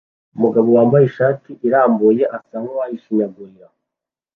Umugabo wambaye ishati irambuye asa nkuwashinyagurira